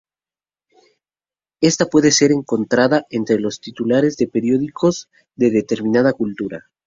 Esta puede ser encontrada entre los titulares de periódicos de determinada cultura.